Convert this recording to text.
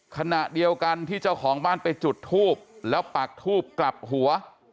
ขณะเดียวกันที่เจ้าของบ้านไปจุดทูบแล้วปากทูบกลับหัว